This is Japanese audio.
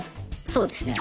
そうですね。